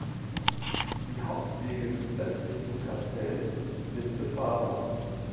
Die Hauptwege bis östlich zum "Castell" sind befahrbar.